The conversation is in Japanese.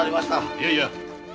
いやいや。